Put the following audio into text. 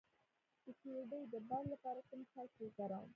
د ګیډې د باد لپاره کوم څاڅکي وکاروم؟